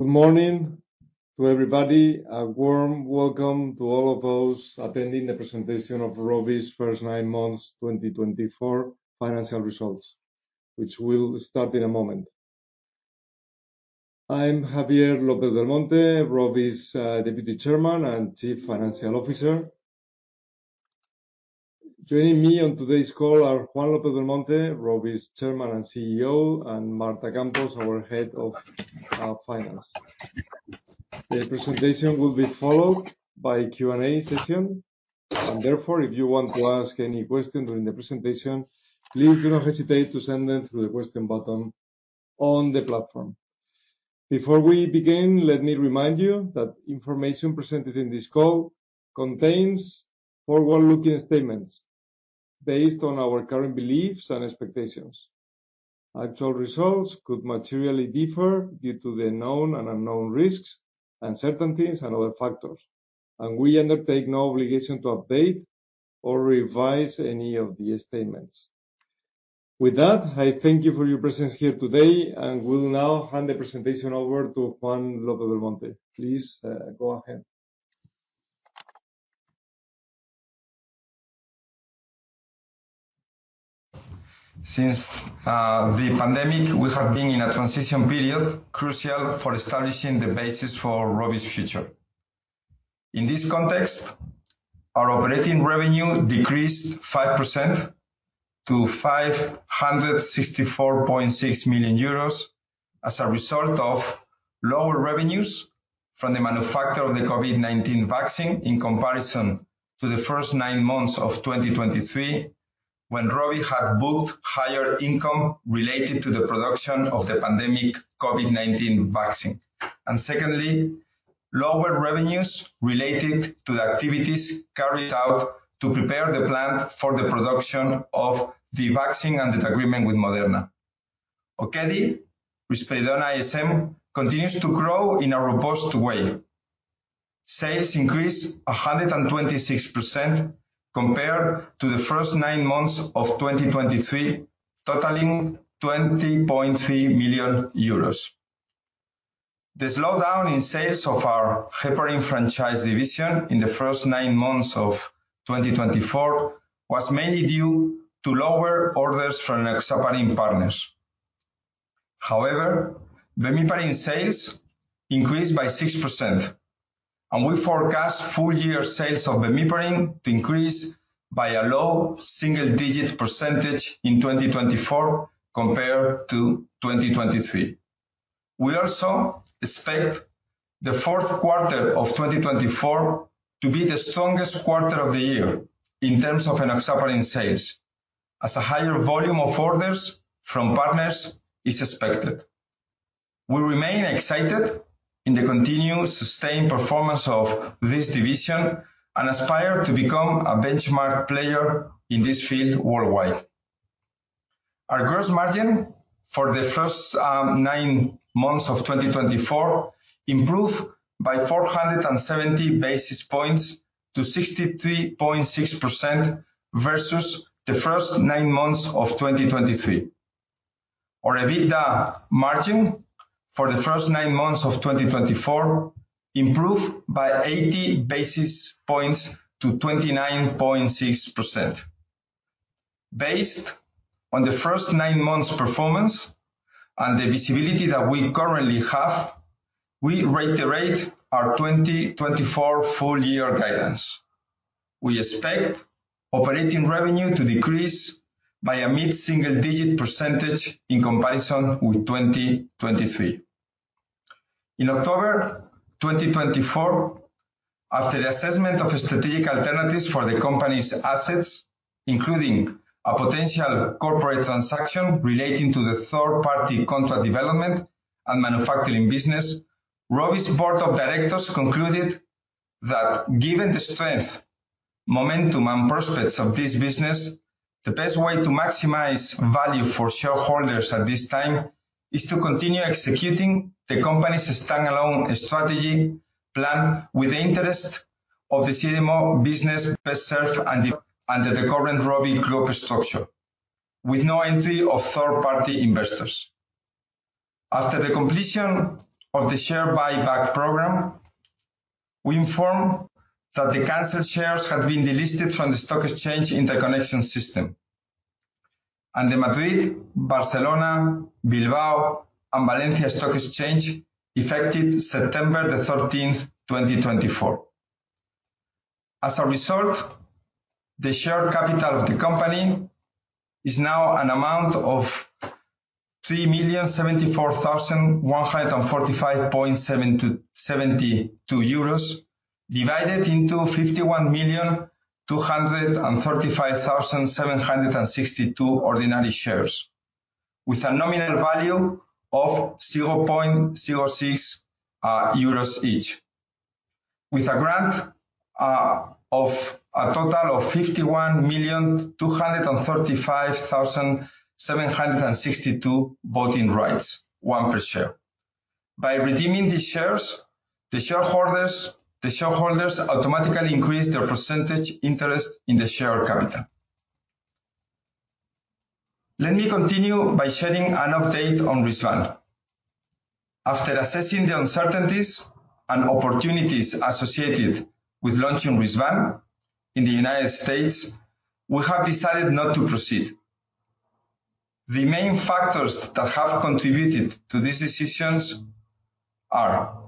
Good morning to everybody. A warm welcome to all of those attending the presentation of Rovi's First Nine Months 2024 Financial Results, which we'll start in a moment. I'm Javier López-Belmonte, Rovi's Deputy Chairman and Chief Financial Officer. Joining me on today's call are Juan López-Belmonte, Rovi's Chairman and CEO, and Marta Campos, our Head of Finance. The presentation will be followed by a Q&A session, and therefore, if you want to ask any question during the presentation, please do not hesitate to send them through the question button on the platform. Before we begin, let me remind you that information presented in this call contains forward-looking statements based on our current beliefs and expectations. Actual results could materially differ due to the known and unknown risks, uncertainties, and other factors, and we undertake no obligation to update or revise any of these statements. With that, I thank you for your presence here today and will now hand the presentation over to Juan López-Belmonte. Please go ahead. Since the pandemic, we have been in a transition period crucial for establishing the basis for Rovi's future. In this context, our operating revenue decreased 5% to 564.6 million euros as a result of lower revenues from the manufacture of the COVID-19 vaccine in comparison to the first nine months of 2023, when Rovi had booked higher income related to the production of the pandemic COVID-19 vaccine. And secondly, lower revenues related to the activities carried out to prepare the plant for the production of the vaccine and the agreement with Moderna. Okedi, Risperidone ISM, continues to grow in a robust way. Sales increased 126% compared to the first nine months of 2023, totaling 20.3 million euros. The slowdown in sales of our Heparin franchise division in the first nine months of 2024 was mainly due to lower orders from Enoxaparin partners. However, Bemiparin sales increased by 6%, and we forecast full-year sales of Bemiparin to increase by a low single-digit percentage in 2024 compared to 2023. We also expect the Q4 of 2024 to be the strongest quarter of the year in terms of Enoxaparin sales, as a higher volume of orders from partners is expected. We remain excited in the continued sustained performance of this division and aspire to become a benchmark player in this field worldwide. Our gross margin for the first nine months of 2024 improved by 470 basis points to 63.6% versus the first nine months of 2023. Our EBITDA margin for the first nine months of 2024 improved by 80 basis points to 29.6%. Based on the first nine months' performance and the visibility that we currently have, we reiterate our 2024 full-year guidance. We expect operating revenue to decrease by a mid-single-digit % in comparison with 2023. In October 2024, after the assessment of strategic alternatives for the company's assets, including a potential corporate transaction relating to the third-party contract development and manufacturing business, Rovi's Board of Directors concluded that, given the strength, momentum, and prospects of this business, the best way to maximize value for shareholders at this time is to continue executing the company's standalone strategy plan with the interest of the CDMO business best served under the current Rovi Group structure, with no entry of third-party investors. After the completion of the share buyback program, we inform that the canceled shares had been delisted from the stock exchange interconnection system, and the Madrid, Barcelona, Bilbao, and Valencia stock exchanges effective September 13, 2024. As a result, the share capital of the company is now an amount of 3,074,145.72 euros divided into 51,235,762 ordinary shares, with a nominal value of 0.06 euros each, with a grant of a total of 51,235,762 voting rights, one per share. By redeeming these shares, the shareholders automatically increase their percentage interest in the share capital. Let me continue by sharing an update on Risvan. After assessing the uncertainties and opportunities associated with launching Risvan in the United States, we have decided not to proceed. The main factors that have contributed to these decisions are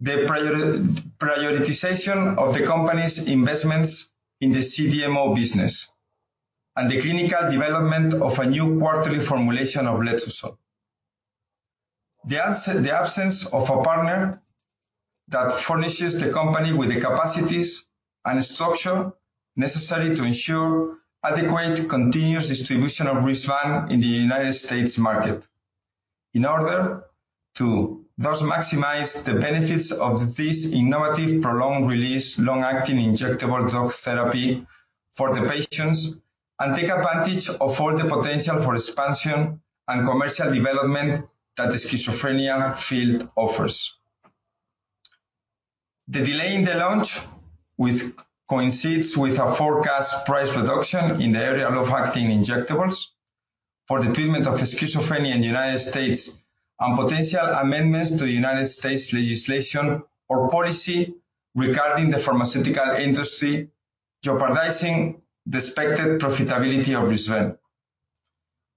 the prioritization of the company's investments in the CDMO business and the clinical development of a new quarterly formulation of Letrozole. The absence of a partner that furnishes the company with the capacities and structure necessary to ensure adequate continuous distribution of Risvan in the United States market in order to thus maximize the benefits of this innovative prolonged-release long-acting injectable drug therapy for the patients and take advantage of all the potential for expansion and commercial development that the schizophrenia field offers. The delay in the launch coincides with a forecast price reduction in the area of long-acting injectables for the treatment of schizophrenia in the United States and potential amendments to the United States legislation or policy regarding the pharmaceutical industry, jeopardizing the expected profitability of Risvan.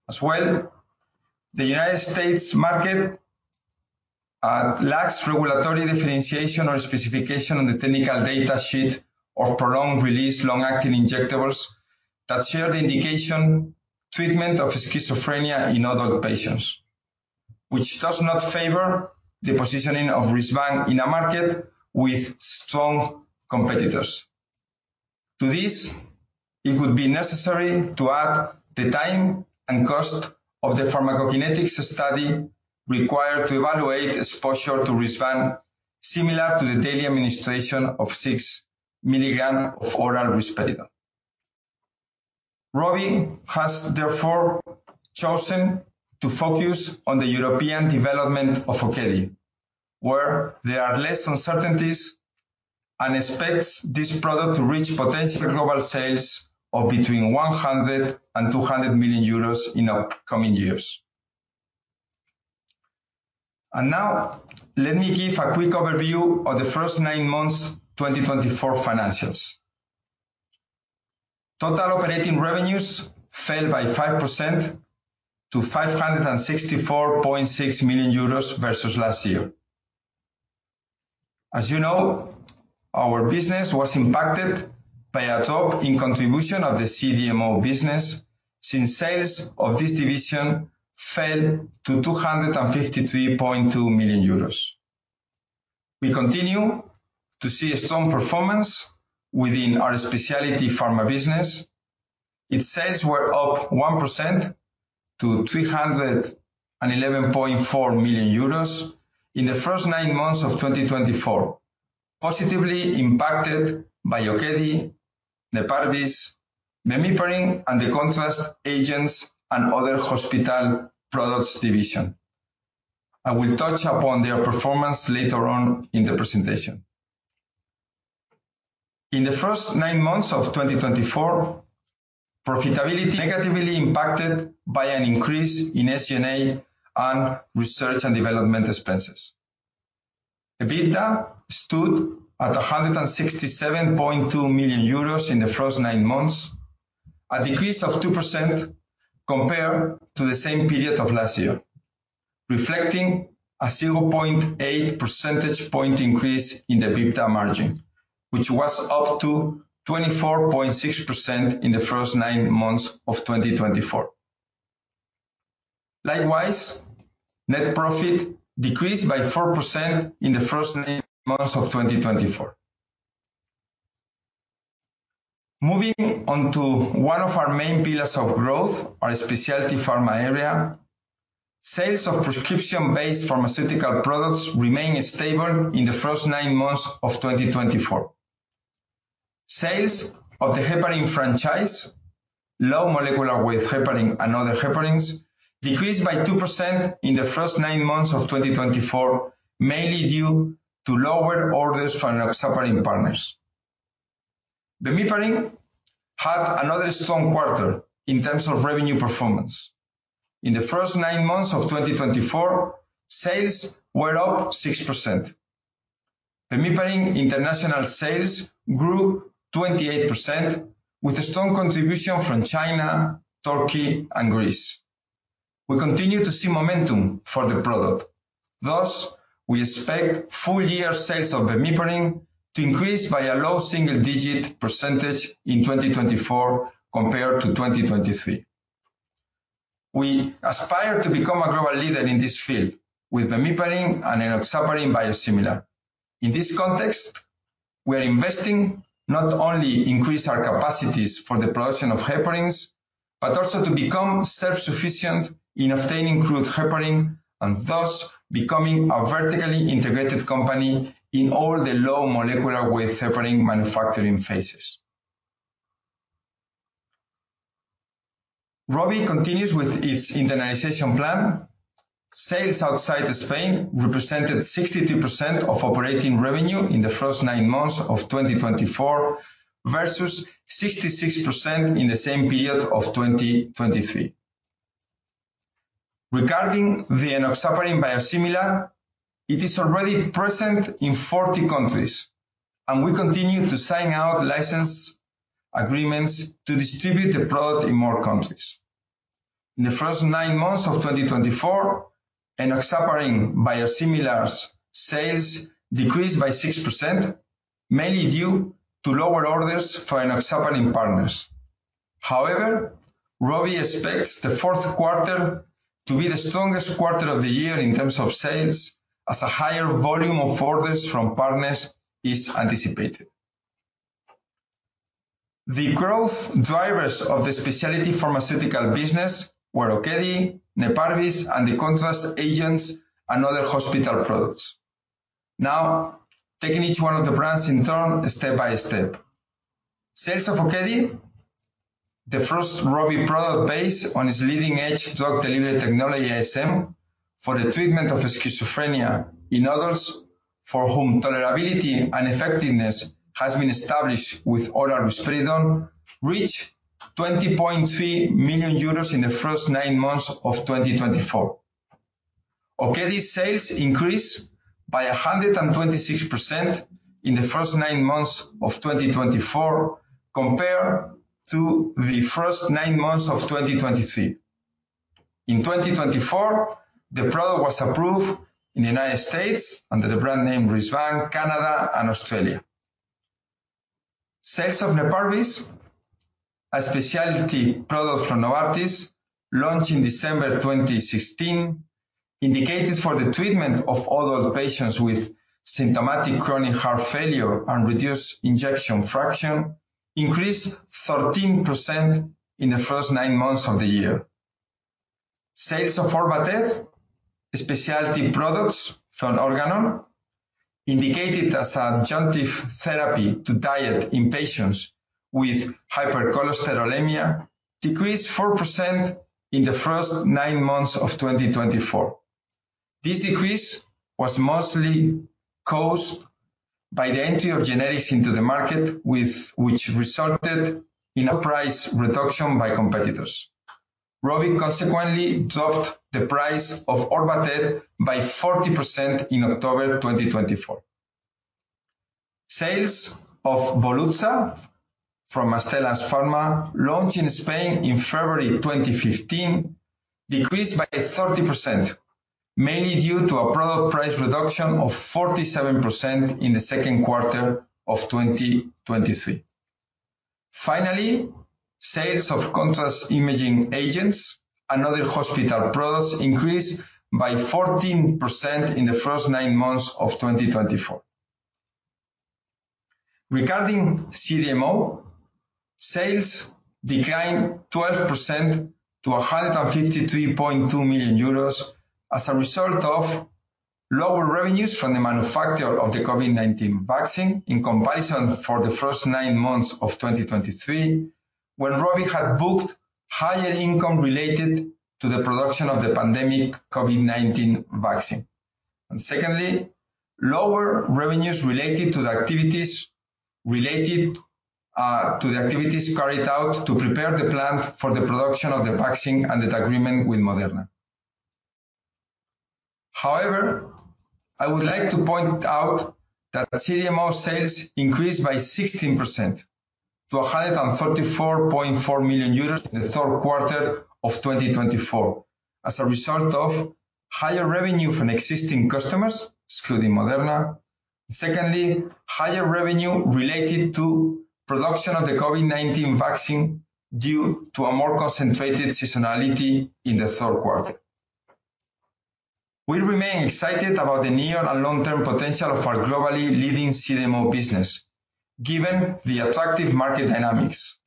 As well, the United States market lacks regulatory differentiation or specification on the technical data sheet of prolonged-release long-acting injectables that share the indication treatment of schizophrenia in adult patients, which does not favor the positioning of Risvan in a market with strong competitors. To this, it would be necessary to add the time and cost of the pharmacokinetics study required to evaluate exposure to Risvan, similar to the daily administration of six milligrams of oral risperidone. Rovi has therefore chosen to focus on the European development of Okedi, where there are less uncertainties, and expects this product to reach potential global sales of between 100 and 200 million euros in upcoming years. And now, let me give a quick overview of the first nine months' 2024 financials. Total operating revenues fell by 5% to 564.6 million euros versus last year. As you know, our business was impacted by a drop in contribution of the CDMO business since sales of this division fell to 253.2 million euros. We continue to see a strong performance within our specialty pharma business. Its sales were up 1% to 311.4 million euros in the first nine months of 2024, positively impacted by Okedi, Neparvis, Bemiparin, and the contrast agents and other hospital products division. I will touch upon their performance later on in the presentation. In the first nine months of 2024, profitability was negatively impacted by an increase in SG&A and research and development expenses. EBITDA stood at 167.2 million euros in the first nine months, a decrease of 2% compared to the same period of last year, reflecting a 0.8 percentage point increase in the EBITDA margin, which was up to 24.6% in the first nine months of 2024. Likewise, net profit decreased by 4% in the first nine months of 2024. Moving on to one of our main pillars of growth, our specialty pharma area, sales of prescription-based pharmaceutical products remained stable in the first nine months of 2024. Sales of the Heparin franchise, low molecular weight Heparin and other Heparins, decreased by 2% in the first nine months of 2024, mainly due to lower orders from Enoxaparin partners. Bemiparin had another strong quarter in terms of revenue performance. In the first nine months of 2024, sales were up 6%. Bemiparin international sales grew 28%, with a strong contribution from China, Turkey, and Greece. We continue to see momentum for the product. Thus, we expect full-year sales of Bemiparin to increase by a low single-digit % in 2024 compared to 2023. We aspire to become a global leader in this field with Bemiparin and an Enoxaparin biosimilar. In this context, we are investing not only to increase our capacities for the production of Heparins, but also to become self-sufficient in obtaining crude Heparin and thus becoming a vertically integrated company in all the low molecular weight Heparin manufacturing phases. Rovi continues with its internalization plan. Sales outside Spain represented 62% of operating revenue in the first nine months of 2024 versus 66% in the same period of 2023. Regarding the Enoxaparin biosimilar, it is already present in 40 countries, and we continue to sign out license agreements to distribute the product in more countries. In the first nine months of 2024, enoxaparin biosimilars' sales decreased by 6%, mainly due to lower orders for enoxaparin partners. However, Rovi expects the fourth quarter to be the strongest quarter of the year in terms of sales, as a higher volume of orders from partners is anticipated. The growth drivers of the specialty pharmaceutical business were Okedi, Neparvis, and the contrast agents and other hospital products. Now, taking each one of the brands in turn, step by step. Sales of Okedi, the first Rovi product based on its leading-edge drug-delivery technology ISM for the treatment of schizophrenia in adults for whom tolerability and effectiveness has been established with oral Risperidone, reached 20.3 million euros in the first nine months of 2024. Okedi's sales increased by 126% in the first nine months of 2024 compared to the first nine months of 2023. In 2024, the product was approved in the United States under the brand name Risvan, Canada, and Australia. Sales of Neparvis, a specialty product from Novartis, launched in December 2016, indicated for the treatment of adult patients with symptomatic chronic heart failure and reduced ejection fraction, increased 13% in the first nine months of the year. Sales of Orvatez, a specialty product from Organon, indicated as an adjunctive therapy to diet in patients with hypercholesterolemia, decreased 4% in the first nine months of 2024. This decrease was mostly caused by the entry of generics into the market, which resulted in a price reduction by competitors. Rovi consequently dropped the price of Orvatez by 40% in October 2024. Sales of Veozah from Astellas Pharma, launched in Spain in February 2015, decreased by 30%, mainly due to a product price reduction of 47% in the second quarter of 2023. Finally, sales of contrast imaging agents and other hospital products increased by 14% in the first nine months of 2024. Regarding CDMO, sales declined 12% to 153.2 million euros as a result of lower revenues from the manufacture of the COVID-19 vaccine in comparison for the first nine months of 2023, when Rovi had booked higher income related to the production of the pandemic COVID-19 vaccine, and secondly, lower revenues related to the activities carried out to prepare the plant for the production of the vaccine and the agreement with Moderna. However, I would like to point out that CDMO sales increased by 16% to 134.4 million euros in the Q3 of 2024 as a result of higher revenue from existing customers, excluding Moderna, secondly, higher revenue related to production of the COVID-19 vaccine due to a more concentrated seasonality in the Q3. We remain excited about the near and long-term potential of our globally leading CDMO business, given the attractive market dynamics.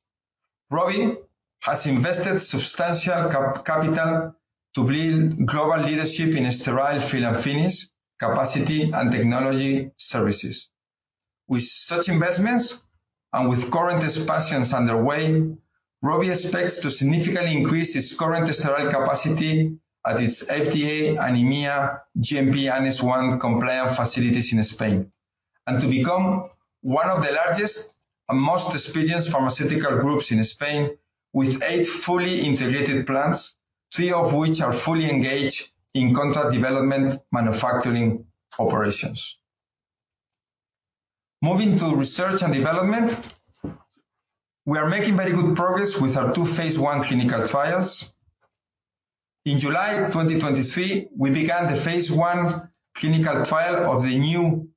Rovi has invested substantial capital to build global leadership in sterile fill-finish capacity and technology services. With such investments and with current expansions underway, Rovi expects to significantly increase its current sterile capacity at its FDA and EMEA GMP Annex 1 compliant facilities in Spain, and to become one of the largest and most experienced pharmaceutical groups in Spain, with eight fully integrated plants, three of which are fully engaged in contract development and manufacturing operations. Moving to research and development, we are making very good progress with our two phase I clinical trials. In July 2023, we began the phase one clinical trial of the new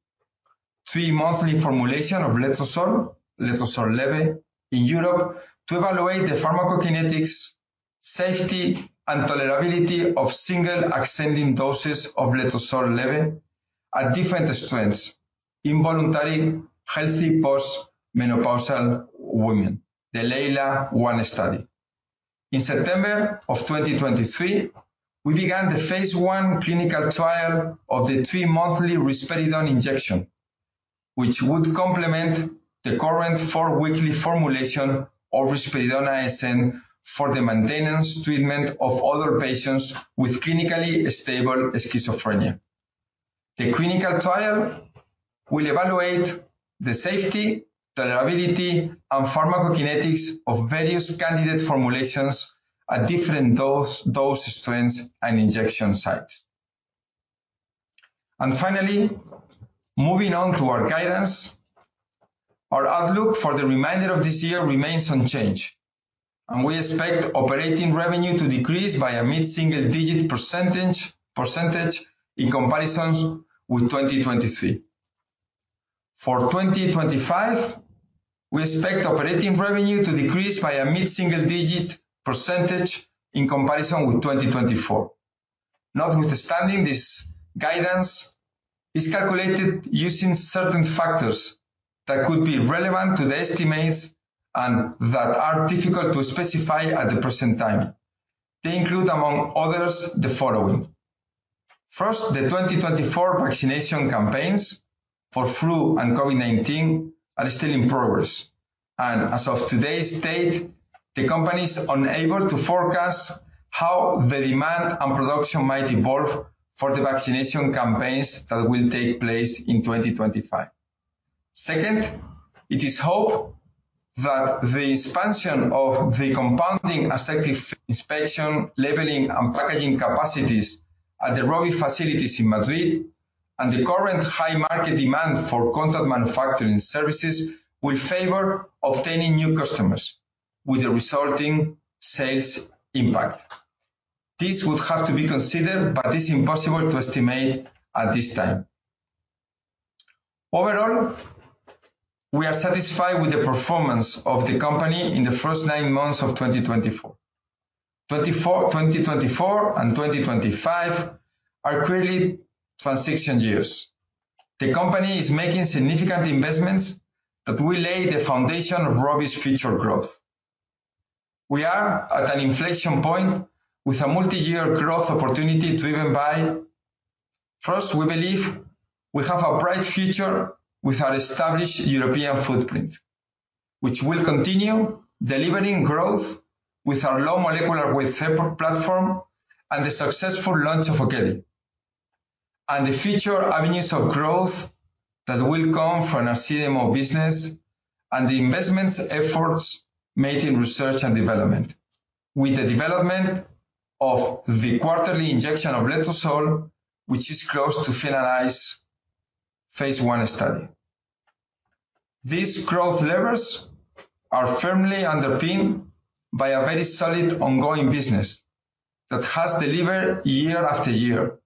three-monthly formulation of Letrozole, Letrozole ISM, in Europe to evaluate the pharmacokinetics, safety, and tolerability of single-ascending doses of Letrozole ISM at different strengths in volunteer healthy postmenopausal women, the LEILA-1 study. In September of 2023, we began the phase I clinical trial of the three-monthly risperidone injection, which would complement the current four-weekly formulation of Risperidone ISM for the maintenance treatment of adult patients with clinically stable schizophrenia. The clinical trial will evaluate the safety, tolerability, and pharmacokinetics of various candidate formulations at different dose strengths and injection sites. And finally, moving on to our guidance, our outlook for the remainder of this year remains unchanged, and we expect operating revenue to decrease by a mid-single-digit % in comparison with 2023. For 2025, we expect operating revenue to decrease by a mid-single-digit % in comparison with 2024. Notwithstanding, this guidance is calculated using certain factors that could be relevant to the estimates and that are difficult to specify at the present time. They include, among others, the following. First, the 2024 vaccination campaigns for flu and COVID-19 are still in progress, and as of today's date, the company is unable to forecast how the demand and production might evolve for the vaccination campaigns that will take place in 2025. Second, it is hoped that the expansion of the compounding aseptic inspection, labeling, and packaging capacities at the Rovi facilities in Madrid and the current high market demand for contract manufacturing services will favor obtaining new customers, with the resulting sales impact. This would have to be considered, but it is impossible to estimate at this time. Overall, we are satisfied with the performance of the company in the first nine months of 2024. 2024 and 2025 are clearly transition years. The company is making significant investments that will lay the foundation of Rovi's future growth. We are at an inflection point with a multi-year growth opportunity driven by. First, we believe we have a bright future with our established European footprint, which will continue delivering growth with our low molecular weight platform and the successful launch of Okedi, and the future avenues of growth that will come from our CDMO business and the investment efforts made in research and development, with the development of the quarterly injection of Letrozole, which is close to finalize phase I study. These growth levers are firmly underpinned by a very solid ongoing business that has delivered year after year,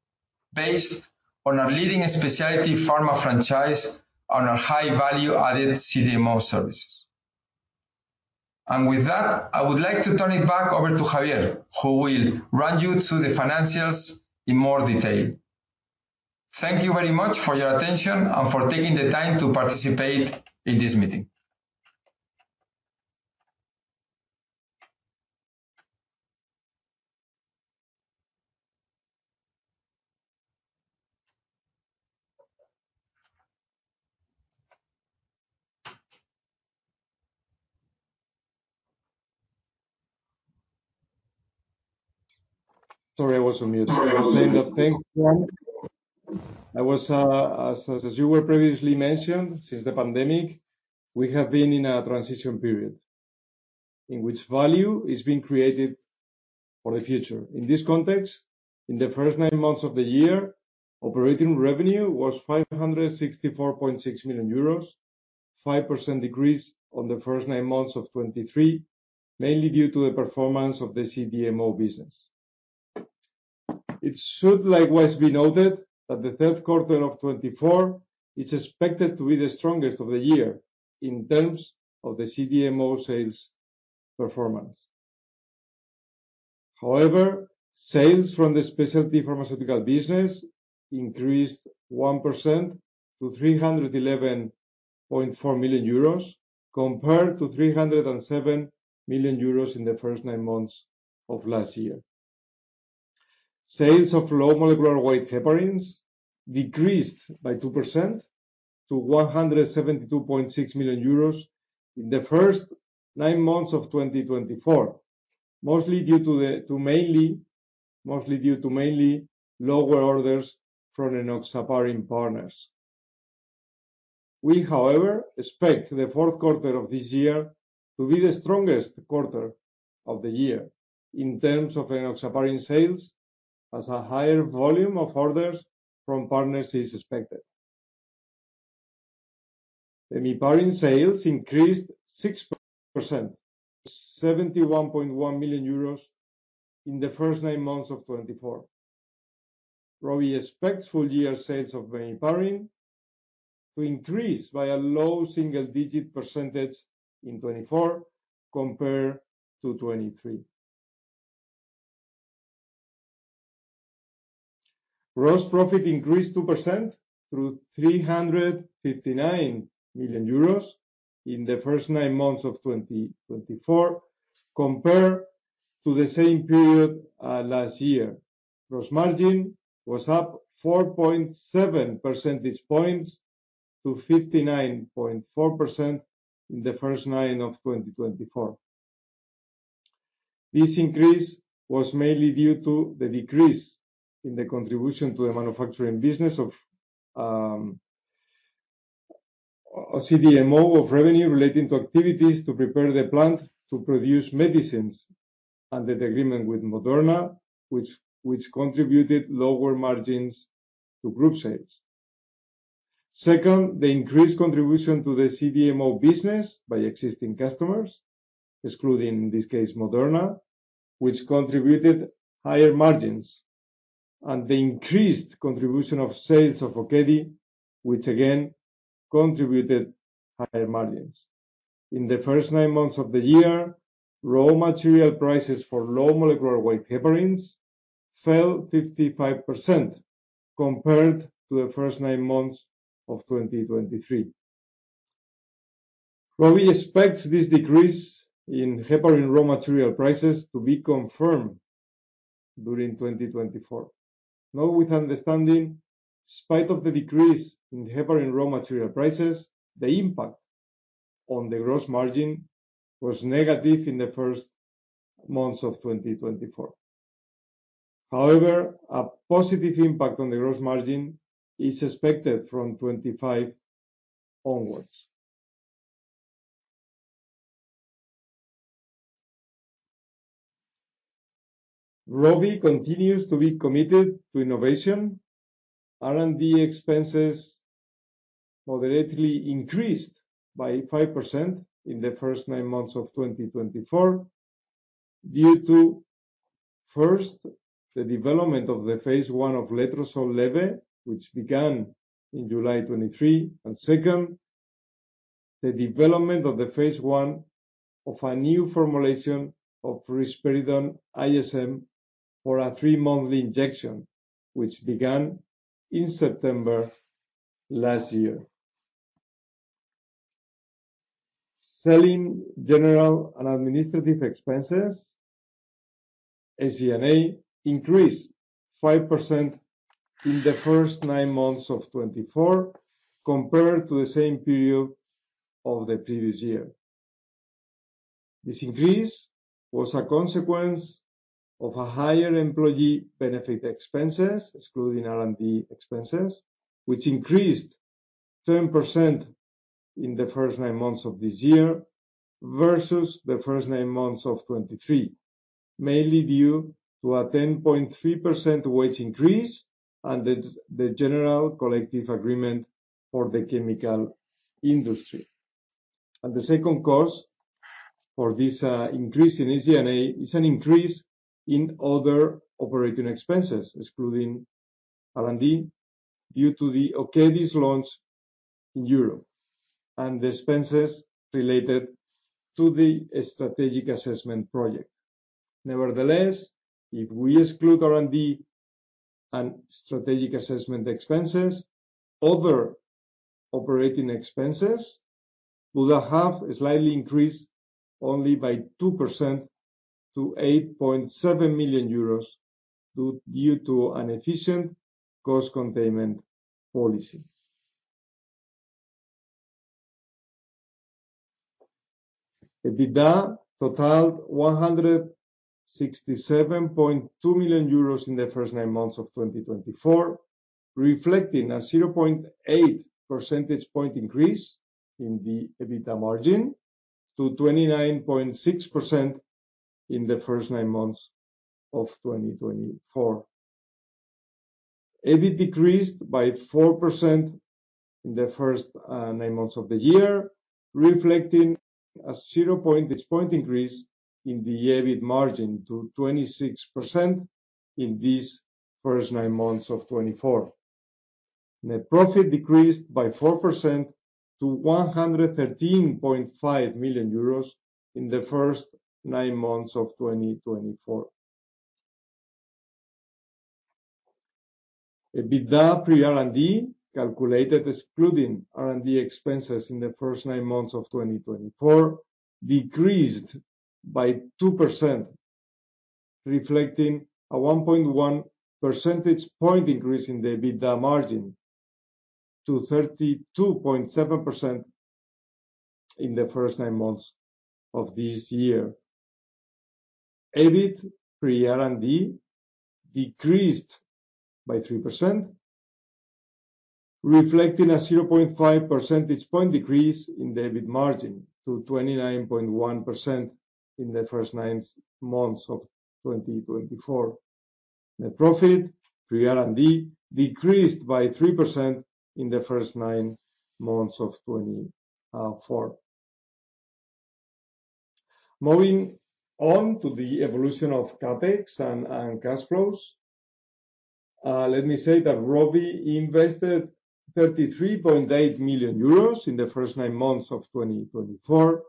based on our leading specialty pharma franchise and our high-value-added CDMO services. With that, I would like to turn it back over to Javier, who will run you through the financials in more detail. Thank you very much for your attention and for taking the time to participate in this meeting. Sorry, I was on mute. Sorry, I was saying that thank you. As was previously mentioned, since the pandemic, we have been in a transition period in which value is being created for the future. In this context, in the first nine months of the year, operating revenue was 564.6 million euros, a 5% decrease on the first nine months of 2023, mainly due to the performance of the CDMO business. It should likewise be noted that the third quarter of 2024 is expected to be the strongest of the year in terms of the CDMO sales performance. However, sales from the specialty pharmaceutical business increased 1% to 311.4 million euros compared to 307 million euros in the first nine months of last year. Sales of low molecular weight Heparins decreased by 2% to 172.6 million euros in the first nine months of 2024, mostly due to mainly lower orders from enoxaparin partners. We, however, expect the Q4 of this year to be the strongest quarter of the year in terms of Enoxaparin sales, as a higher volume of orders from partners is expected. Bemiparin sales increased 6% to 71.1 million euros in the first nine months of 2024. Rovi expects full-year sales of Bemiparin to increase by a low single-digit percentage in 2024 compared to 2023. Gross profit increased 2% to 359 million euros in the first nine months of 2024 compared to the same period last year. Gross margin was up 4.7 percentage points to 59.4% in the first nine months of 2024. This increase was mainly due to the decrease in the contribution to the manufacturing business of CDMO of revenue relating to activities to prepare the plant to produce medicines and the agreement with Moderna, which contributed lower margins to group sales. Second, the increased contribution to the CDMO business by existing customers, excluding in this case Moderna, which contributed higher margins, and the increased contribution of sales of Okedi, which again contributed higher margins. In the first nine months of the year, raw material prices for low molecular weight Heparins fell 55% compared to the first nine months of 2023. Rovi expects this decrease in Heparin raw material prices to be confirmed during 2024. Note with understanding, in spite of the decrease in Heparin raw material prices, the impact on the gross margin was negative in the first months of 2024. However, a positive impact on the gross margin is expected from 2025 onwards. Rovi continues to be committed to innovation. R&D expenses moderately increased by 5% in the first nine months of 2024 due to, first, the development of the phase 1 of Letrozole ISM, which began in July 2023, and second, the development of the phase 1 of a new formulation of Risperidone ISM for a three-monthly injection, which began in September last year. Selling general and administrative expenses, SG&A, increased 5% in the first nine months of 2024 compared to the same period of the previous year. This increase was a consequence of higher employee benefit expenses, excluding R&D expenses, which increased 10% in the first nine months of this year versus the first nine months of 2023, mainly due to a 10.3% wage increase and the general collective agreement for the chemical industry. The second cause for this increase in SG&A is an increase in other operating expenses, excluding R&D, due to the Okedi's launch in Europe and the expenses related to the strategic assessment project. Nevertheless, if we exclude R&D and strategic assessment expenses, other operating expenses would have slightly increased only by 2% to 8.7 million euros due to an efficient cost containment policy. EBITDA totaled 167.2 million euros in the first nine months of 2024, reflecting a 0.8 percentage point increase in the EBITDA margin to 29.6% in the first nine months of 2024. EBIT decreased by 4% in the first nine months of the year, reflecting a 0 point increase in the EBIT margin to 26% in these first nine months of 2024. The profit decreased by 4% to 113.5 million euros in the first nine months of 2024. EBITDA pre-R&D calculated, excluding R&D expenses in the first nine months of 2024, decreased by 2%, reflecting a 1.1 percentage point increase in the EBITDA margin to 32.7% in the first nine months of this year. EBIT pre-R&D decreased by 3%, reflecting a 0.5 percentage point decrease in the EBIT margin to 29.1% in the first nine months of 2024. The profit pre-R&D decreased by 3% in the first nine months of 2024. Moving on to the evolution of CapEx and cash flows, let me say that Rovi invested 33.8 million euros in the first nine months of 2024.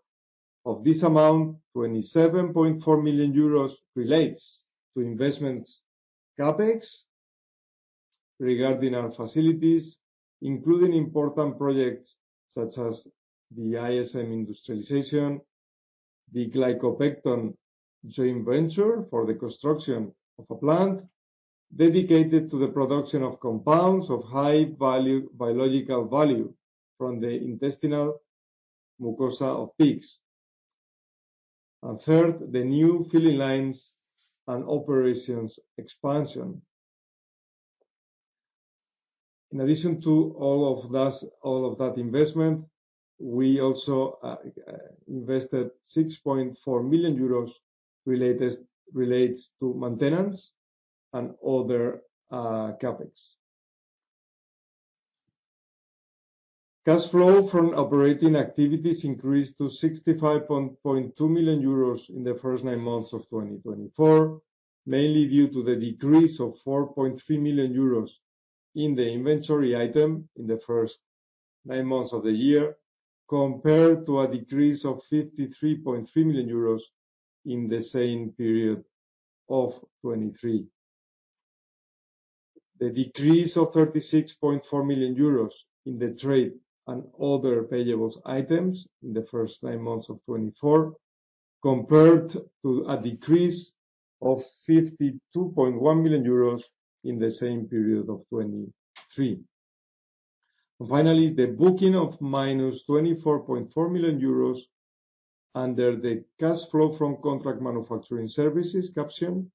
Of this amount, 27.4 million euros relates to investments CapEx regarding our facilities, including important projects such as the ISM industrialization, the Glicopepton Biotech joint venture for the construction of a plant dedicated to the production of compounds of high biological value from the intestinal mucosa of pigs, and third, the new filling lines and operations expansion. In addition to all of that investment, we also invested 6.4 million euros related to maintenance and other CapEx. Cash flow from operating activities increased to 65.2 million euros in the first nine months of 2024, mainly due to the decrease of 4.3 million euros in the inventory item in the first nine months of the year compared to a decrease of 53.3 million euros in the same period of 2023. The decrease of 36.4 million euros in the trade and other payables items in the first nine months of 2024 compared to a decrease of 52.1 million euros in the same period of 2023. And finally, the booking of 24.4 million euros under the cash flow from contract manufacturing services caption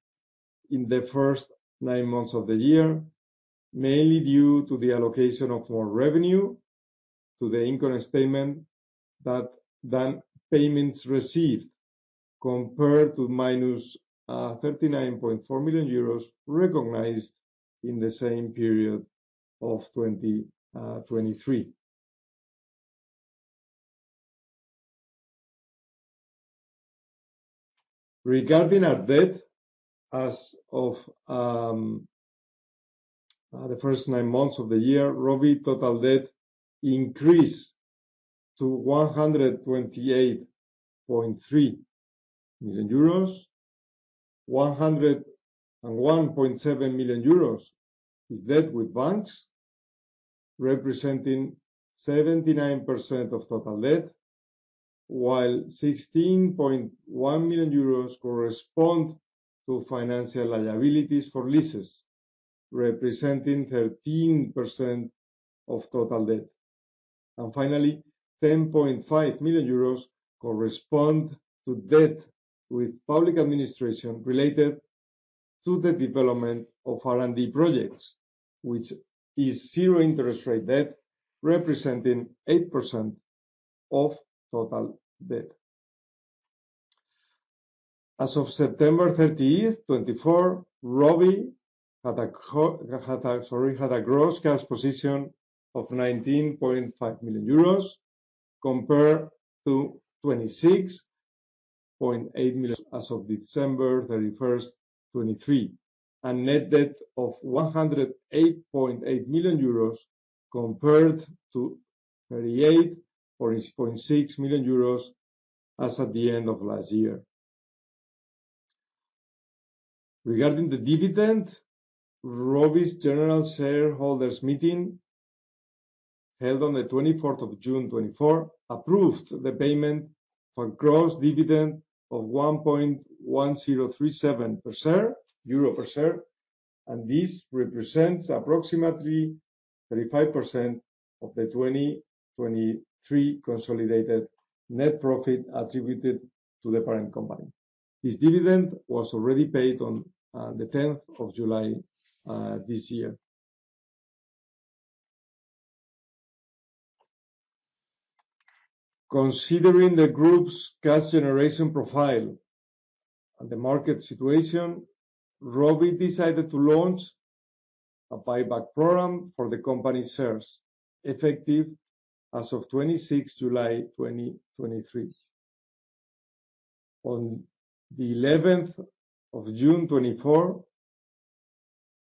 in the first nine months of the year, mainly due to the allocation of more revenue to the income statement than payments received compared to minus 39.4 million euros recognized in the same period of 2023. Regarding our debt, as of the first nine months of the year, Rovi total debt increased to 128.3 million euros. 101.7 million euros is debt with banks, representing 79% of total debt, while 16.1 million euros corresponds to financial liabilities for leases, representing 13% of total debt. And finally, 10.5 million euros corresponds to debt with public administration related to the development of R&D projects, which is zero interest rate debt, representing 8% of total debt. As of September 30, 2024, Rovi had a gross cash position of 19.5 million euros compared to 26.8 million as of December 31, 2023, and net debt of 108.8 million euros compared to 38.6 million euros as at the end of last year. Regarding the dividend, Rovi's general shareholders meeting held on the 24th of June 2024 approved the payment of a gross dividend of 1.1037 per share, and this represents approximately 35% of the 2023 consolidated net profit attributed to the parent company. This dividend was already paid on the July 10th this year. Considering the group's cash generation profile and the market situation, Rovi decided to launch a buyback program for the company's shares, effective as of July 26th, 2023. On the 11th of June 2024,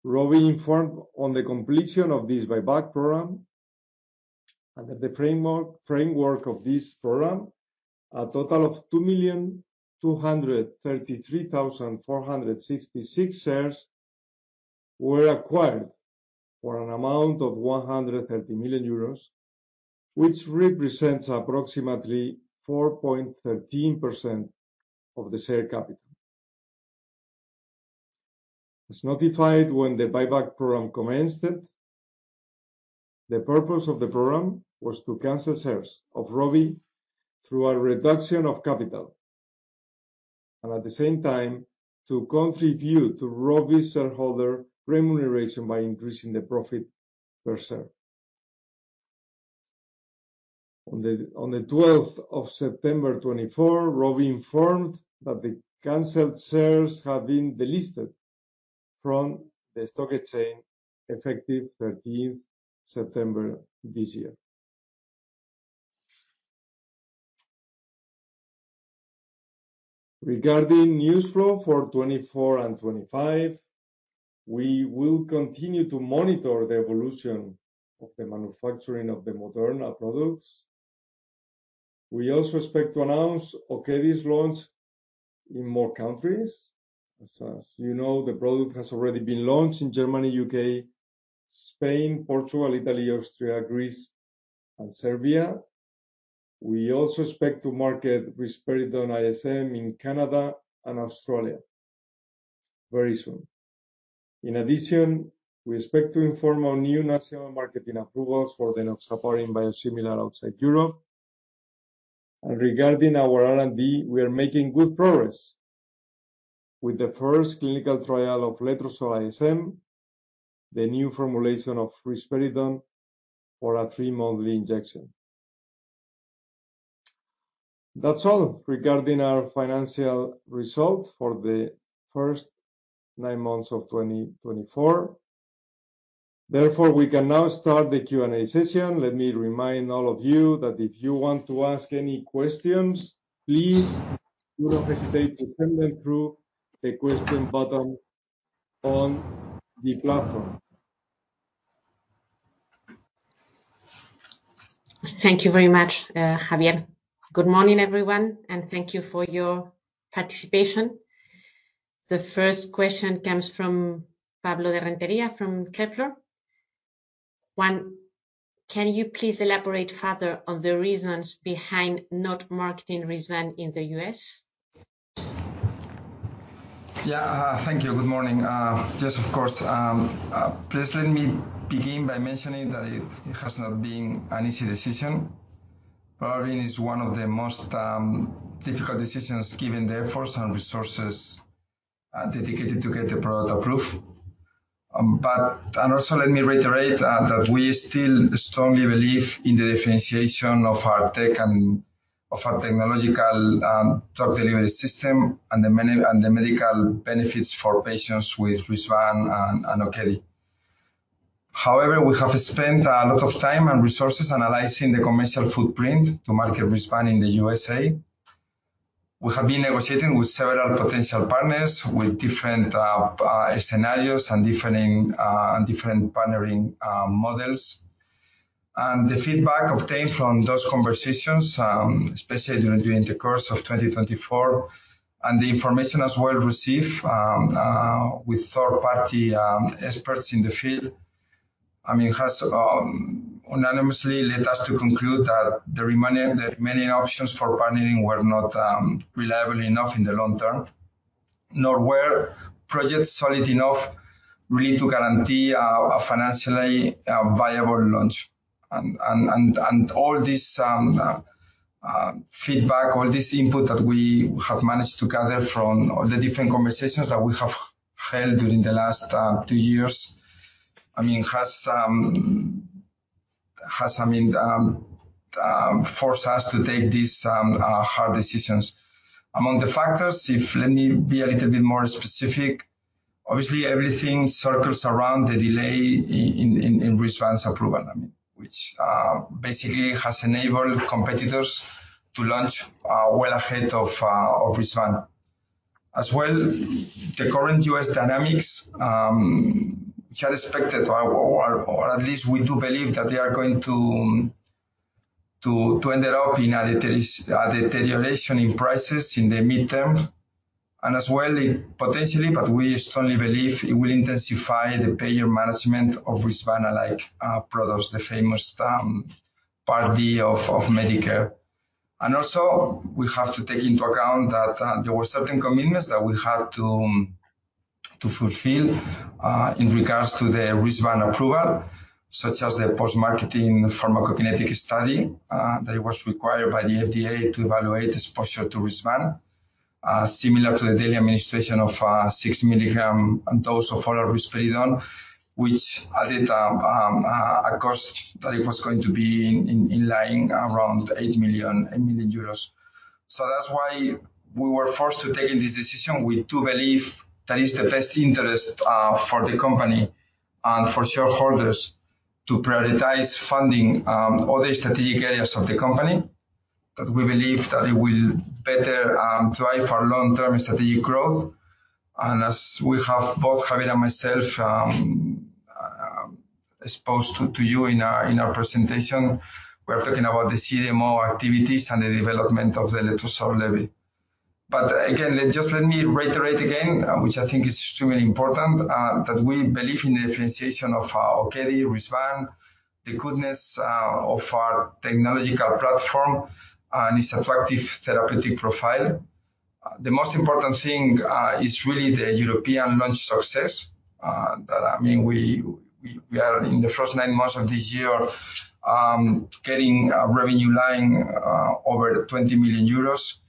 Rovi informed on the completion of this buyback program. Under the framework of this program, a total of 2,233,466 shares were acquired for an amount of 130 million euros, which represents approximately 4.13% of the share capital. As notified when the buyback program commenced, the purpose of the program was to cancel shares of Rovi through a reduction of capital, and at the same time, to contribute to Rovi's shareholder remuneration by increasing the profit per share. On the September 12th 2024, Rovi informed that the canceled shares have been delisted from the stock exchange effective September 13th this year. Regarding news flow for 2024 and 2025, we will continue to monitor the evolution of the manufacturing of the Moderna products. We also expect to announce Okedi's launch in more countries. As you know, the product has already been launched in Germany, the U.K., Spain, Portugal, Italy, Austria, Greece, and Serbia. We also expect to market Risperidone ISM in Canada and Australia very soon. In addition, we expect to inform on new national marketing approvals for the enoxaparin biosimilar outside Europe. And regarding our R&D, we are making good progress with the first clinical trial of Letrozole ISM, the new formulation of risperidone for a three-monthly injection. That's all regarding our financial result for the first nine months of 2024. Therefore, we can now start the Q&A session. Let me remind all of you that if you want to ask any questions, please do not hesitate to send them through the question button on the platform. Thank you very much, Javier. Good morning, everyone, and thank you for your participation. The first question comes from Pablo de Rentería from Kepler. One, can you please elaborate further on the reasons behind not marketing Risvan in the U.S.? Yeah, thank you. Good morning. Yes, of course. Please let me begin by mentioning that it has not been an easy decision. Probably it is one of the most difficult decisions given the efforts and resources dedicated to get the product approved. And also, let me reiterate that we still strongly believe in the differentiation of our tech and of our technological drug delivery system and the medical benefits for patients with Risvan and Okedi. However, we have spent a lot of time and resources analyzing the commercial footprint to market Risvan in the USA. We have been negotiating with several potential partners with different scenarios and different partnering models. The feedback obtained from those conversations, especially during the course of 2024, and the information as well received with third-party experts in the field, I mean, has unanimously led us to conclude that the remaining options for partnering were not reliable enough in the long term, nor were projects solid enough really to guarantee a financially viable launch. And all this feedback, all this input that we have managed to gather from all the different conversations that we have held during the last two years, I mean, has forced us to take these hard decisions. Among the factors, let me be a little bit more specific. Obviously, everything circles around the delay in Risvan's approval, which basically has enabled competitors to launch well ahead of Risvan. As well, the current U.S. dynamics, which are expected, or at least we do believe that they are going to end up in a deterioration in prices in the midterm, and as well, potentially, but we strongly believe it will intensify the payer management of Risvan-like products, the famous Medicare Part D. And also, we have to take into account that there were certain commitments that we had to fulfill in regards to the Risvan approval, such as the post-marketing pharmacokinetic study that was required by the FDA to evaluate exposure to Risvan, similar to the daily administration of a six milligram dose of oral risperidone, which added a cost that it was going to be in line around 8 million euros. So that's why we were forced to take this decision. We do believe that it is the best interest for the company and for shareholders to prioritize funding other strategic areas of the company that we believe that it will better drive our long-term strategic growth. And as we have, both Javier and myself exposed to you in our presentation, we are talking about the CDMO activities and the development of the Letrozole ISM. But again, just let me reiterate again, which I think is extremely important, that we believe in the differentiation of our Okedi, Risvan, the goodness of our technological platform and its attractive therapeutic profile. The most important thing is really the European launch success. I mean, we are in the first nine months of this year getting a revenue line over 20 million euros.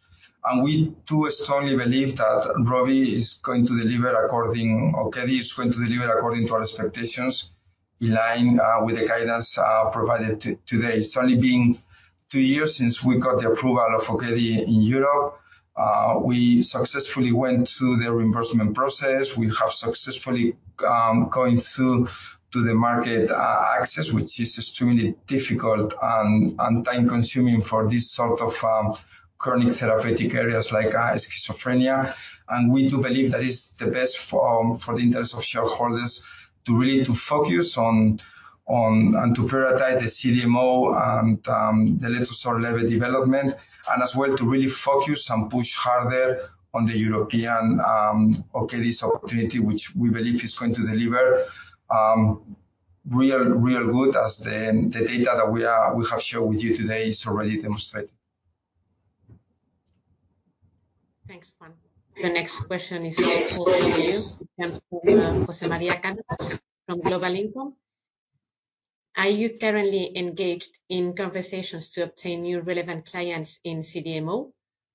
And we do strongly believe that Rovi is going to deliver according to Okedi, is going to deliver according to our expectations in line with the guidance provided today. It's only been two years since we got the approval of Okedi in Europe. We successfully went through the reimbursement process. We have successfully gone through to the market access, which is extremely difficult and time-consuming for this sort of chronic therapeutic areas like schizophrenia. And we do believe that it is the best for the interest of shareholders to really focus on and to prioritize the CDMO and the Letrozole ISM development, and as well to really focus and push harder on the European Okedi's opportunity, which we believe is going to deliver real good as the data that we have shared with you today is already demonstrated. Thanks, Juan. The next question is also for you. We have José María Cánovas from Global Income. Are you currently engaged in conversations to obtain new relevant clients in CDMO?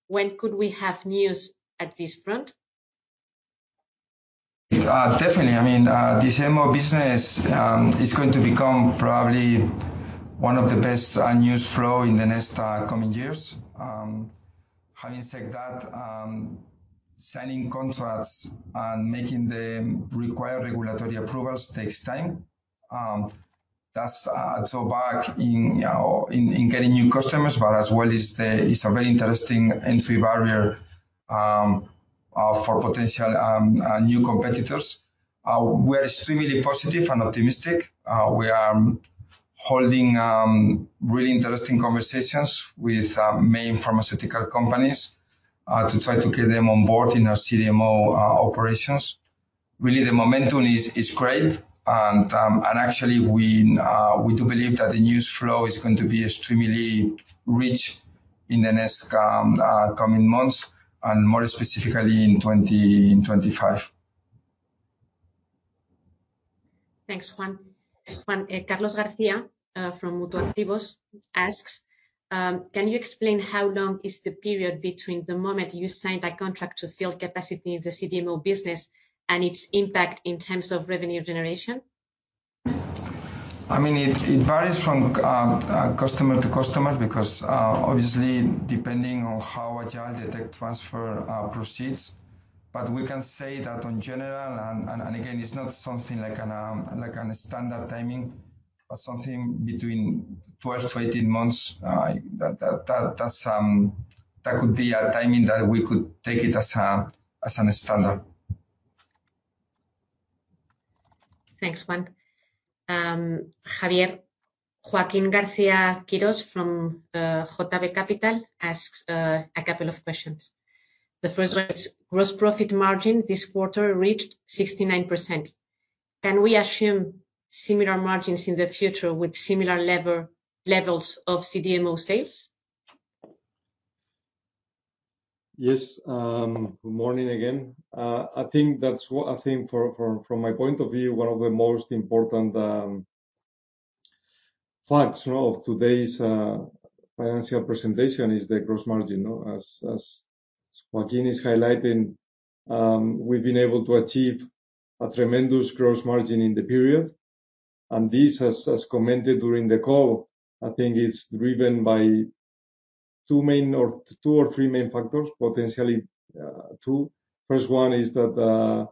When could we have news at this front? Definitely. I mean, the CDMO business is going to become probably one of the best news flows in the next coming years. Having said that, signing contracts and making the required regulatory approvals takes time. That's a drawback in getting new customers, but as well as a very interesting entry barrier for potential new competitors. We are extremely positive and optimistic. We are holding really interesting conversations with main pharmaceutical companies to try to get them on board in our CDMO operations. Really, the momentum is great. Actually, we do believe that the news flow is going to be extremely rich in the next coming months, and more specifically in 2025. Thanks, Juan. Carlos García from Mutuactivos asks, can you explain how long is the period between the moment you signed a contract to fill capacity in the CDMO business and its impact in terms of revenue generation? I mean, it varies from customer to customer because, obviously, depending on how agile the tech transfer proceeds. But we can say that in general, and again, it's not something like a standard timing, but something between 12 to 18 months, that could be a timing that we could take it as a standard. Thanks, Juan. Javier. Joaquín García-Quirós from JB Capital Markets asks a couple of questions. The first one is gross profit margin this quarter reached 69%. Can we assume similar margins in the future with similar levels of CDMO sales? Yes. Good morning again. I think that's what I think from my point of view, one of the most important facts of today's financial presentation is the gross margin. As Joaquín is highlighting, we've been able to achieve a tremendous gross margin in the period, and this, as commented during the call, I think it's driven by two or three main factors, potentially two. First one is that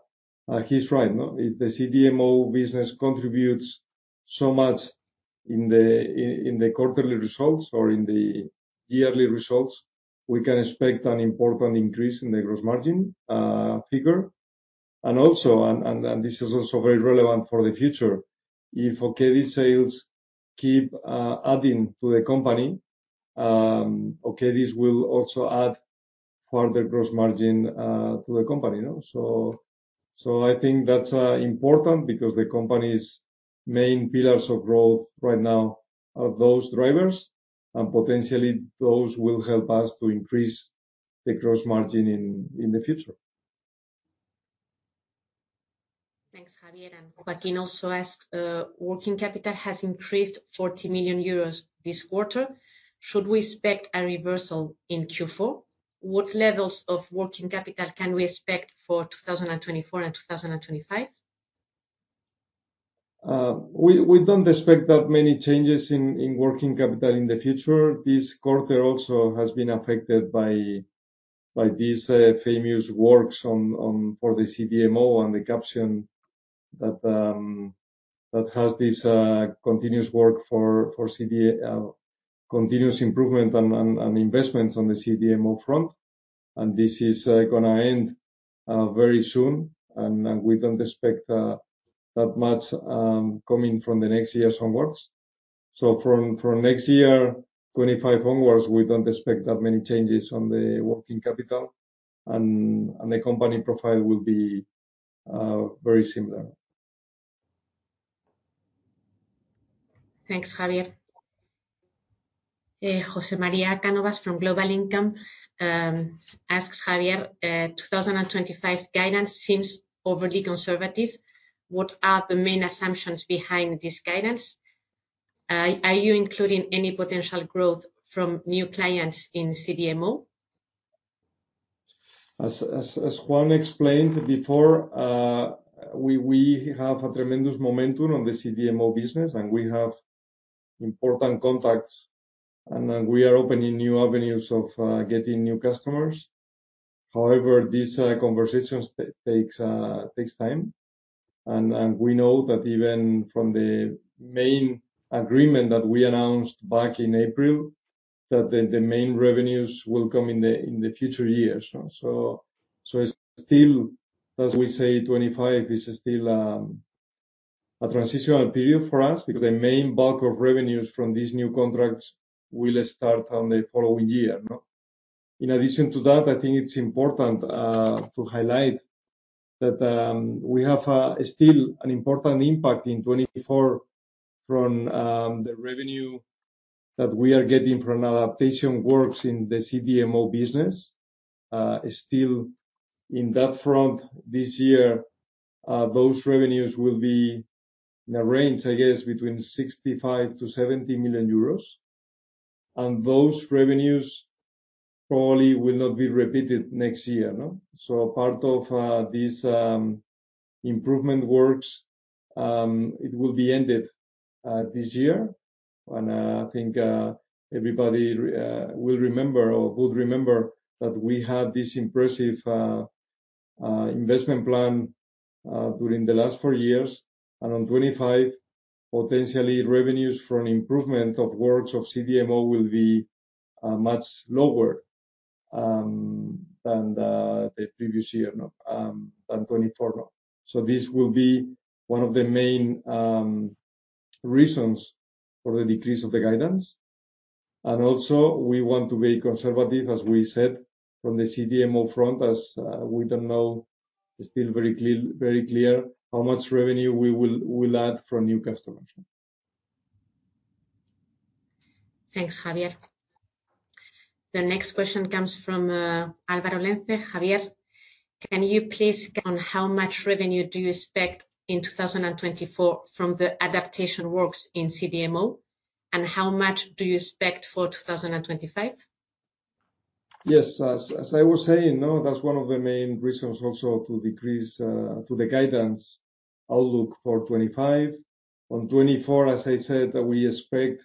he's right. If the CDMO business contributes so much in the quarterly results or in the yearly results, we can expect an important increase in the gross margin figure, and this is also very relevant for the future. If Okedi sales keep adding to the company, Okedi will also add further gross margin to the company. So I think that's important because the company's main pillars of growth right now are those drivers, and potentially those will help us to increase the gross margin in the future. Thanks, Javier. And Joaquín also asked, working capital has increased 40 million euros this quarter. Should we expect a reversal in Q4? What levels of working capital can we expect for 2024 and 2025? We don't expect that many changes in working capital in the future. This quarter also has been affected by these famous works for the CDMO and the capex that has this continuous work for continuous improvement and investments on the CDMO front. And this is going to end very soon, and we don't expect that much coming from the next years onwards. So from next year, 2025 onwards, we don't expect that many changes on the working capital, and the company profile will be very similar. Thanks, Javier. José María Cánovas from Global Income asks, Javier, 2025 guidance seems overly conservative. What are the main assumptions behind this guidance? Are you including any potential growth from new clients in CDMO? As Juan explained before, we have a tremendous momentum on the CDMO business, and we have important contacts, and we are opening new avenues of getting new customers. However, these conversations take time. And we know that even from the main agreement that we announced back in April, that the main revenues will come in the future years. So it's still, as we say, 2025 is still a transitional period for us because the main bulk of revenues from these new contracts will start on the following year. In addition to that, I think it's important to highlight that we have still an important impact in 2024 from the revenue that we are getting from adaptation works in the CDMO business. Still, in that front, this year, those revenues will be in a range, I guess, between 65 to 70 million euros. Those revenues probably will not be repeated next year. Part of these improvement works, it will be ended this year. I think everybody will remember or would remember that we had this impressive investment plan during the last four years. On 2025, potentially revenues from improvement of works of CDMO will be much lower than the previous year, than 2024. This will be one of the main reasons for the decrease of the guidance. And also, we want to be conservative, as we said, from the CDMO front, as we don't know still very clear how much revenue we will add from new customers. Thanks, Javier. The next question comes from Álvaro Lenze. Javier, can you please explain how much revenue do you expect in 2024 from the adaptation works in CDMO, and how much do you expect for 2025? Yes. As I was saying, that's one of the main reasons also to decrease the guidance outlook for 2025. On 2024, as I said, we expect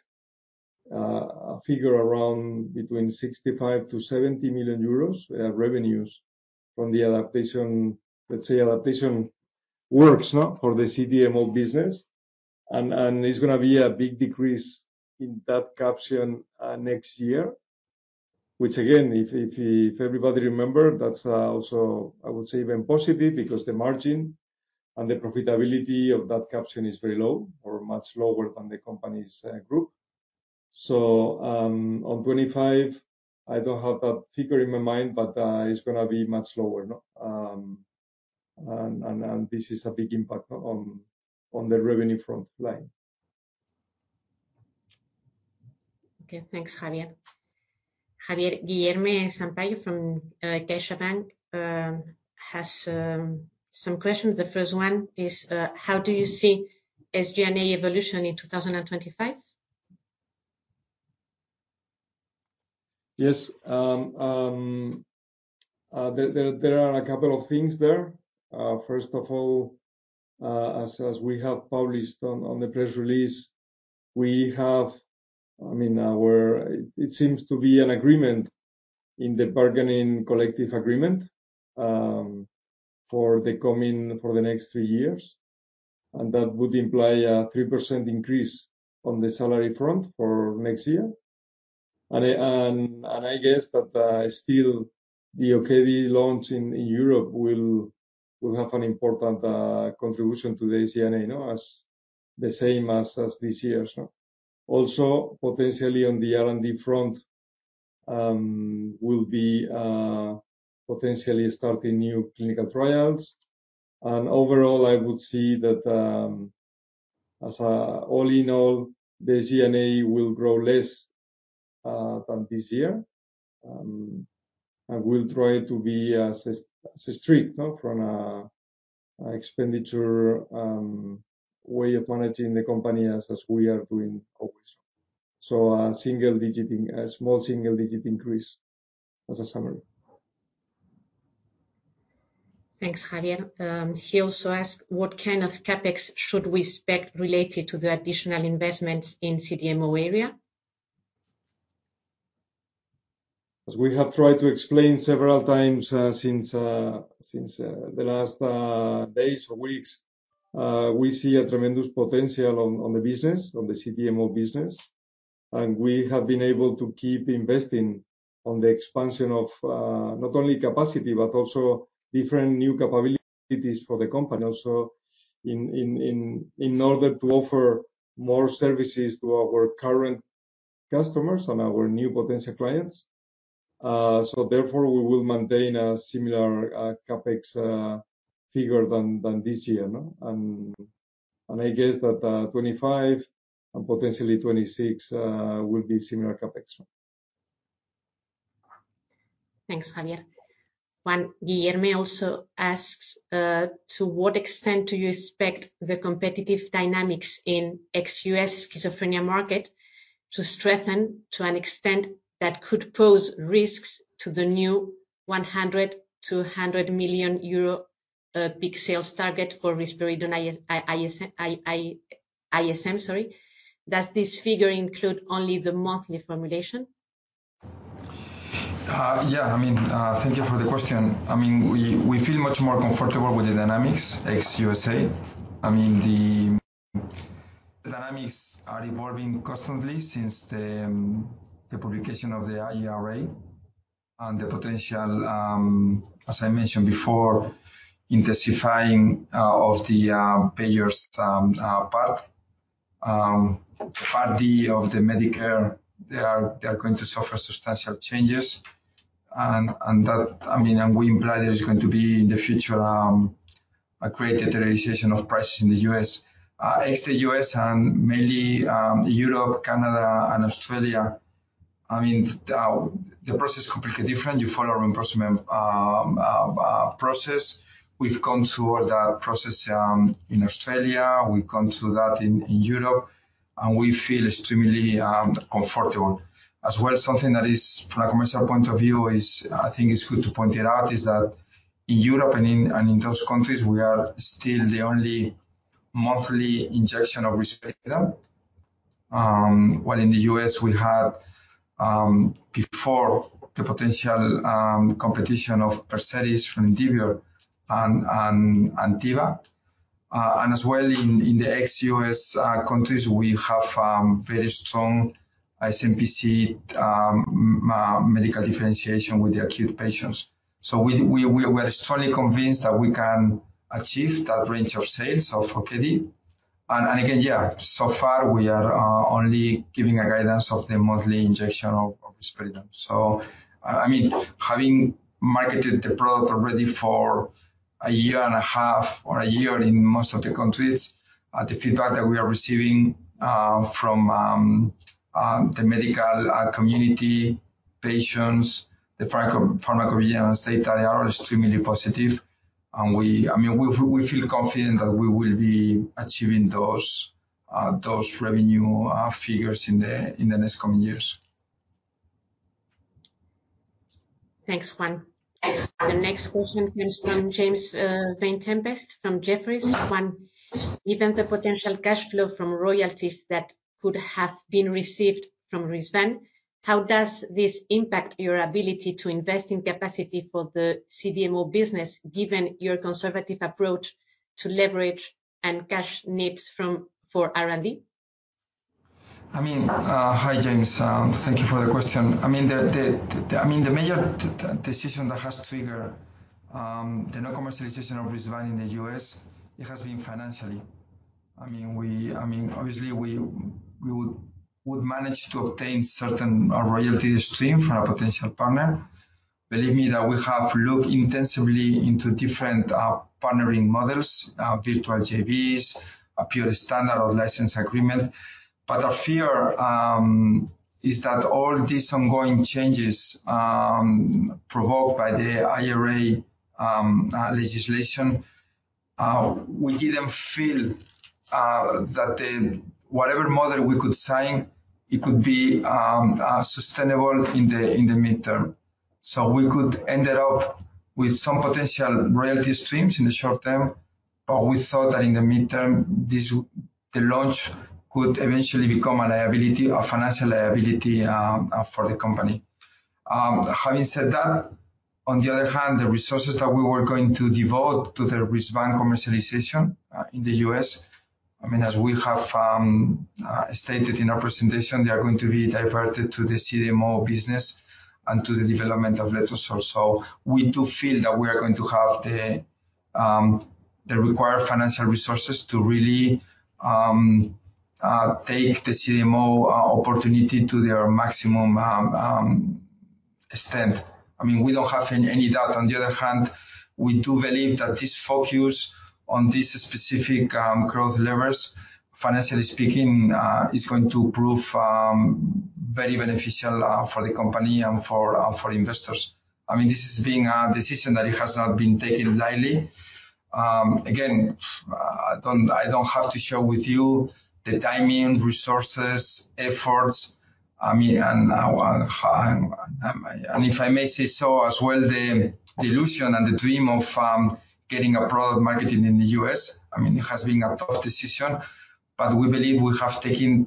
a figure around between 65 million to 70 million euros revenues from the adaptation, let's say, adaptation works for the CDMO business. It's going to be a big decrease in that caption next year, which, again, if everybody remembers, that's also, I would say, even positive because the margin and the profitability of that caption is very low or much lower than the company's group. So, on 2025, I don't have that figure in my mind, but it's going to be much lower. And this is a big impact on the revenue front line. Okay. Thanks, Javier. Javier Guillén from CaixaBank has some questions. The first one is, how do you see SG&A evolution in 2025? Yes. There are a couple of things there. First of all, as we have published on the press release, we have, I mean, it seems to be an agreement in the bargaining collective agreement for the next three years. And that would imply a 3% increase on the salary front for next year. I guess that still the Okedi launches in Europe will have an important contribution to the SG&A, the same as this year. Also, potentially on the R&D front, we'll be potentially starting new clinical trials. Overall, I would see that as an all-in-all, the SG&A will grow less than this year. We'll try to be as strict from an expenditure way of managing the company as we are doing always. So a small single-digit increase as a summary. Thanks, Javier. He also asked, what kind of CapEx should we expect related to the additional investments in the CDMO area? As we have tried to explain several times since the last days or weeks, we see a tremendous potential on the business, on the CDMO business. And we have been able to keep investing on the expansion of not only capacity, but also different new capabilities for the company. Also, in order to offer more services to our current customers and our new potential clients. So therefore, we will maintain a similar CapEx figure than this year. And I guess that 2025 and potentially 2026 will be similar CapEx. Thanks, Javier. Javier Guillén also asks, to what extent do you expect the competitive dynamics in U.S. schizophrenia market to strengthen to an extent that could pose risks to the new 100 to 100 million euro big sales target for Risperidone ISM? Sorry. Does this figure include only the monthly formulation? Yeah. I mean, thank you for the question. I mean, we feel much more comfortable with the dynamics, U.S.A. I mean, the dynamics are evolving constantly since the publication of the IRA and the potential, as I mentioned before, intensifying of the payers' part. Medicare Part D, they are going to suffer substantial changes. I mean, we imply there is going to be in the future a great deterioration of prices in the U.S. Ex-U.S. and mainly Europe, Canada, and Australia, I mean, the process is completely different. You follow a reimbursement process. We've gone through all that process in Australia. We've gone through that in Europe. We feel extremely comfortable. As well, something that is, from a commercial point of view, I think it's good to point it out, is that in Europe and in those countries, we are still the only monthly injection of risperidone. While in the U.S., we had before the potential competition of Perseris from Indivior and Teva. As well, in the ex-US countries, we have very strong SMPC medical differentiation with the acute patients. We are strongly convinced that we can achieve that range of sales of Okedi. Again, yeah, so far, we are only giving a guidance of the monthly injection of Risperidone. I mean, having marketed the product already for a year and a half or a year in most of the countries, the feedback that we are receiving from the medical community, patients, the pharmacovigilance data, they are extremely positive. I mean, we feel confident that we will be achieving those revenue figures in the next coming years. Thanks, Juan. The next question comes from James Vane-Tempest from Jefferies. Juan, given the potential cash flow from royalties that could have been received from Risvan, how does this impact your ability to invest in capacity for the CDMO business given your conservative approach to leverage and cash needs for R&D? Hi mean, hi, James. Thank you for the question. I mean, the major decision that has triggered the non-commercialization of Risvan in the U.S., it has been financially. I mean, obviously, we would manage to obtain certain royalty streams from a potential partner. Believe me that we have looked intensively into different partnering models, virtual J.V.s, a pure standard or license agreement. But our fear is that all these ongoing changes provoked by the IRA legislation, we didn't feel that whatever model we could sign, it could be sustainable in the midterm. So, we could end up with some potential royalty streams in the short term, but we thought that in the midterm, the launch could eventually become a liability, a financial liability for the company. Having said that, on the other hand, the resources that we were going to devote to the Risvan commercialization in the U.S., I mean, as we have stated in our presentation, they are going to be diverted to the CDMO business and to the development of Letrozole. So we do feel that we are going to have the required financial resources to really take the CDMO opportunity to their maximum extent. I mean, we don't have any doubt. On the other hand, we do believe that this focus on these specific growth levers, financially speaking, is going to prove very beneficial for the company and for investors. I mean, this is being a decision that has not been taken lightly. Again, I don't have to share with you the timing, resources, efforts, and if I may say so as well, the illusion and the dream of getting a product marketed in the U.S., I mean, it has been a tough decision, but we believe we have taken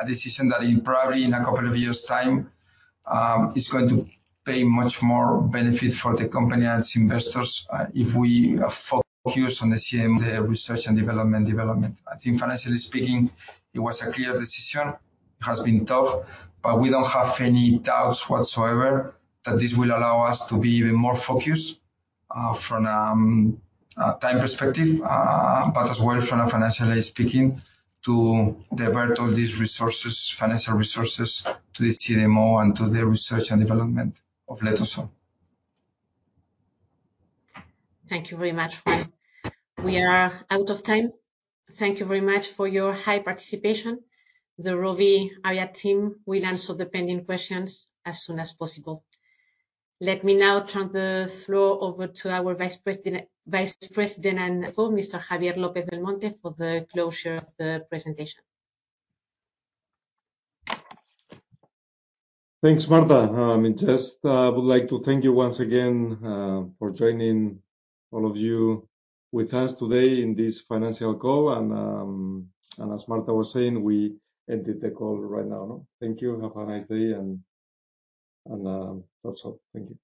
a decision that probably in a couple of years' time, it's going to pay much more benefit for the company and its investors if we focus on the research and development. I think financially speaking, it was a clear decision. It has been tough. We don't have any doubts whatsoever that this will allow us to be even more focused from a time perspective, but as well from a financial perspective, to divert all these resources, financial resources, to the CDMO and to the research and development of Letrozole. Thank you very much, Juan. We are out of time. Thank you very much for your kind participation. The Rovi IR team, we'll answer the pending questions as soon as possible. Let me now turn the floor over to our Deputy Chairman and Chief Financial Officer, Mr. Javier López-Belmonte, for the closure of the presentation. Thanks, Marta. I mean, I would just like to thank you once again for joining us today in this financial call. As Marta was saying, we are ending the call right now. Thank you. Have a nice day. And that's all. Thank you.